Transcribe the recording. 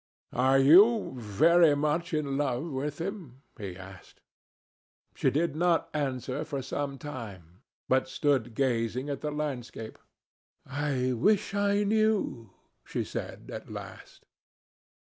"Are you very much in love with him?" he asked. She did not answer for some time, but stood gazing at the landscape. "I wish I knew," she said at last.